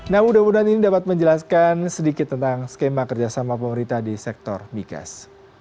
nah mudah mudahan ini dapat menjelaskan sedikit tentang skema kerjasama pemerintah di sektor migas